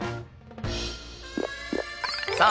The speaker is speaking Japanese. さあ